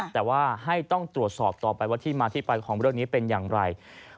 แต่ว่าให้ต้องตรวจสอบต่อไปว่าที่มาที่ไปของเรื่องนี้เป็นอย่างไร